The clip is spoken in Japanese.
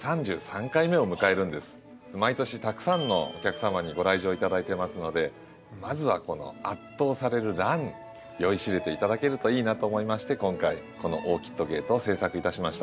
毎年たくさんのお客様にご来場頂いてますのでまずはこの圧倒されるラン酔いしれて頂けるといいなと思いまして今回この「オーキット・ゲート」を制作いたしました。